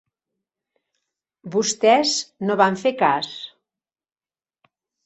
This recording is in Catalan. Vostès no van fer cas.